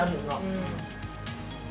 うん。